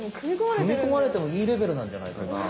くみこまれてもいいレベルなんじゃないかな。